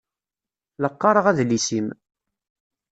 La qqaṛeɣ adlis-im.